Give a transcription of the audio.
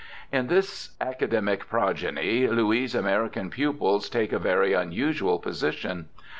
In this academic progeny Louis' American pupils take a very unusual position.